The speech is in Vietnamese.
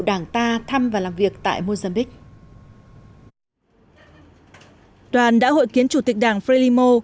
đảng ta thăm và làm việc tại mozambique đoàn đã hội kiến chủ tịch đảng frelimo